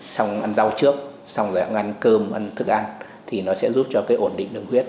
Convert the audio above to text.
xong ăn rau trước xong rồi ăn cơm ăn thức ăn thì nó sẽ giúp cho cái ổn định đường huyết